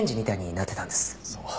そう。